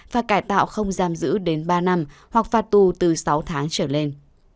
và cải tạo không giam giữ đến ba năm hoặc phạt tù từ sáu tháng trở lên